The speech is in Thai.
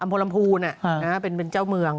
อำพลผูนอ่ะเป็นเจ้าเมือง